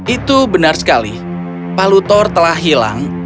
itu benar sekali palu thor telah hilang